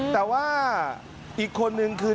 แต่ว่าอีกคนนึงคือ